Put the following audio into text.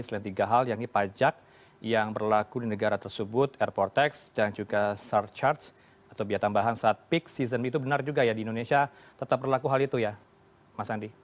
selain tiga hal yang ini pajak yang berlaku di negara tersebut airport tax dan juga sar charge atau biaya tambahan saat peak season itu benar juga ya di indonesia tetap berlaku hal itu ya mas andi